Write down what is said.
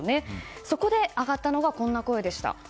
そこで上がったのがこんな声でした。